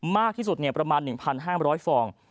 มากที่สุดประมาณ๑๕๐๐ฟอง